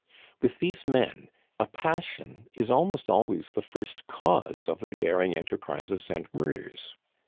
With these men a passion is almost always the first cause of their daring enterprises and murders.